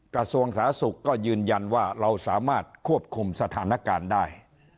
กระทรวงสาธารณสุขก็ยืนยันว่าเราสามารถควบคุมสถานการณ์ได้